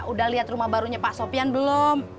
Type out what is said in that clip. udah liat rumah barunya pak sopian belum